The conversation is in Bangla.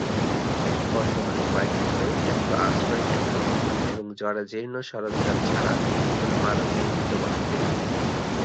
বর্তমানে কয়েকটি পরিত্যক্ত আশ্রয়কেন্দ্র এবং জরাজীর্ণ সরঞ্জাম ছাড়া কোন মানব নির্মিত বসতি নেই।